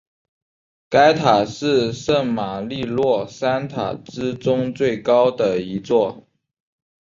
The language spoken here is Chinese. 该塔是圣马利诺三塔之中最高的一座。